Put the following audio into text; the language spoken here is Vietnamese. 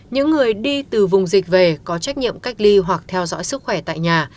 những người đi từ vùng dịch về có trách nhiệm cách ly hoặc theo dõi sức khỏe tại nhà